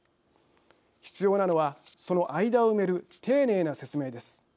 必要なのはその間を埋める丁寧な説明です。